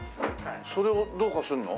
それをどうかするの？